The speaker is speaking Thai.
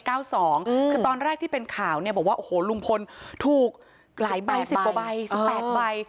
คือตอนแรกที่เป็นข่าวเนี่ยบอกว่าโอ้โหลุงพลถูกหลายใบ๑๐กว่าใบ๑๘ใบ